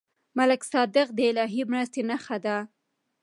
ملک صادق د الهي مرستې نښه ده.